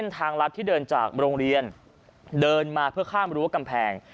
ทางรัฐที่เดินจากโรงเรียนเดินมาเพื่อข้ามรั้วกำแพง